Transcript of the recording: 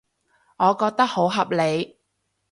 我覺得好合理